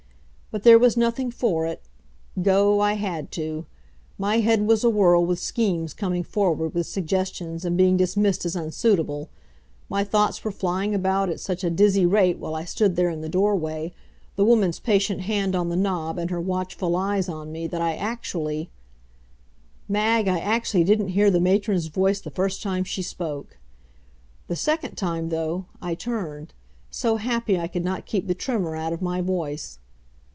But there was nothing for it. Go, I had to. My head was a whirl with schemes coming forward with suggestions and being dismissed as unsuitable; my thoughts were flying about at such a dizzy rate while I stood there in the doorway, the woman's patient hand on the knob and her watchful eyes on me, that I actually Mag, I actually didn't hear the matron's voice the first time she spoke. The second time, though, I turned so happy I could not keep the tremor out of my voice.